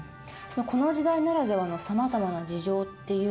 この時代ならではの様々な事情っていうのは。